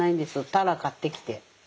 タラ買ってきて。